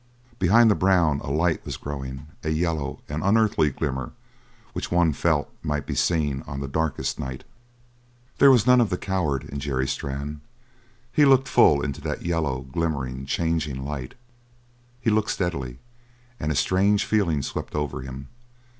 Behind the brown a light was growing, a yellow and unearthly glimmer which one felt might be seen on the darkest night. There was none of the coward in Jerry Strann. He looked full into that yellow, glimmering, changing light he looked steadily and a strange feeling swept over him.